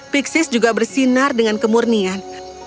pixis juga bersinar dengan kemurnian